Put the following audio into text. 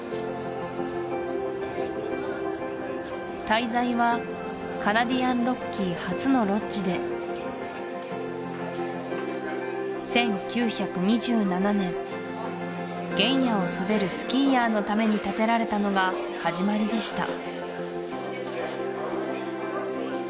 滞在はカナディアンロッキー初のロッジで１９２７年原野を滑るスキーヤーのために建てられたのが始まりでした